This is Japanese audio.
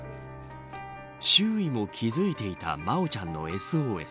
周囲も気付いていた真愛ちゃんのＳＯＳ。